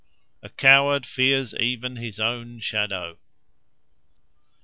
A coward fears even his own shadow.